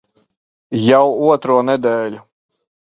Jau otro nedēļu.